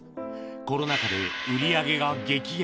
コロナ禍で売り上げが激減。